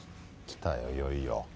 きたよいよいよ。